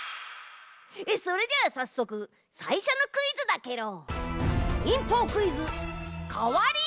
それではさっそくさいしょのクイズだケロ。